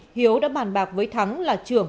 hiếu đã bàn bạc với thắng là trưởng